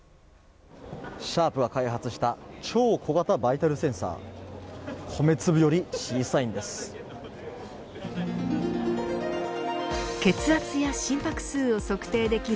シャープが開発した超小型バイタルセンサー米粒より小さいんです。